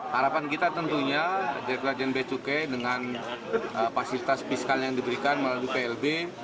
harapan kita tentunya deklajen becukai dengan fasilitas fiskal yang diberikan melalui plb